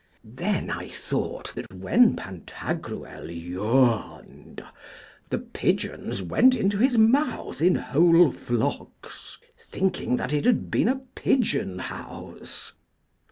Then I thought that, when Pantagruel yawned, the pigeons went into his mouth in whole flocks, thinking that it had been a pigeon house.